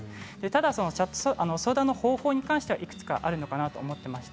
ただ相談の方法に関してはいくつかあるのかなと思っています。